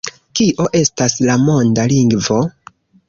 Kio estas la monda lingvo?